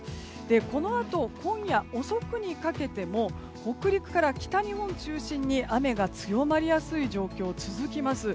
このあと今夜遅くにかけても北陸から北日本を中心に雨が強まりやすい状況が続きます。